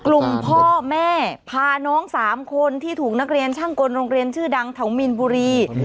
กลุ่มพ่อแม่พาน้องสามคนที่ถูกนักเรียนช่างกลโรงเรียนชื่อดังแถวมีนบุรี